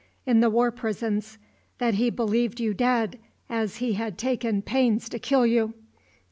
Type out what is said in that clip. in the war prisons; that he believed you dead, as he had taken pains to kill you.